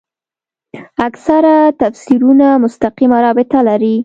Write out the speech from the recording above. اکثره تفسیرونه مستقیمه رابطه لري.